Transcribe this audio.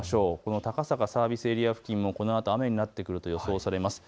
高坂サービスエリア付近もこのあと雨になってくると予想されています。